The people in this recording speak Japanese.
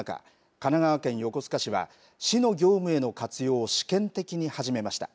神奈川県横須賀市は市の業務への活用を試験的に始めました。